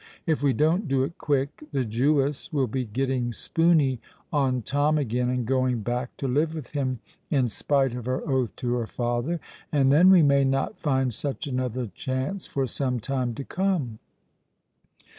If we don't do it quick, the Jewess will be getting spooney on Tom again and going back to live with him in spite of her oath to her father; and then we may not find such another chance for some time to come."